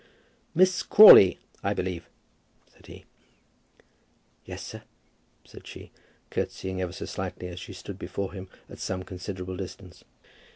"Miss Crawley, I believe?" said he. "Yes, sir," said she, curtseying ever so slightly, as she stood before him at some considerable distance.